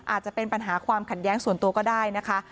อาจจะเป็นปัญหาความขัดแย้งส่วนตัวก็ได้นะคะ